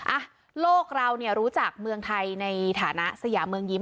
อ่ะโลกเราเนี่ยรู้จักเมืองไทยในฐานะสยามเมืองยิ้ม